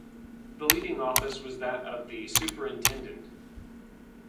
The leading office was that of the superintendent.